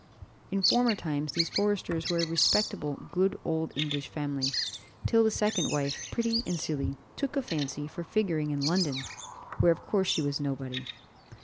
"In former times these Forresters were a respectable, good old English family, till the second wife, pretty and silly, took a fancy for figuring in London, where of course she was nobody.